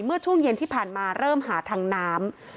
เมื่อช่วงเย็นที่ผ่านมาเริ่มหาทางน้ำ